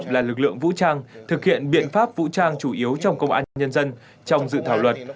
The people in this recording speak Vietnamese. cảnh sát cơ động là lực lượng vũ trang thực hiện biện pháp vũ trang chủ yếu trong công an nhân dân trong dự thảo luật